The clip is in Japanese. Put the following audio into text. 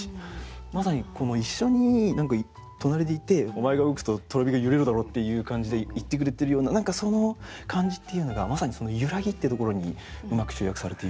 まさに一緒に隣でいて「お前が動くととろ火がゆれるだろ」っていう感じで言ってくれてるような何かその感じっていうのがまさにその「ゆらぎ」ってところにうまく集約されている。